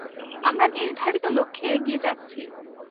আমরা নির্ধারিত লক্ষ্যে এগিয়ে যাচ্ছি।